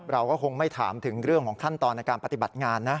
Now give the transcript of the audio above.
เราก็คงไม่ถามถึงเรื่องของขั้นตอนในการปฏิบัติงานนะ